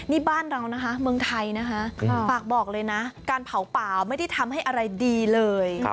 นี่บ้านเรานะคะเมืองไทยนะคะฝากบอกเลยนะการเผาเปล่าไม่ได้ทำให้อะไรดีเลย